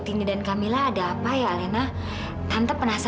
kita mau proyek untuk appnya